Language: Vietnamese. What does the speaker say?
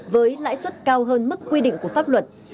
với lãi suất cao hơn mức quy định của pháp luật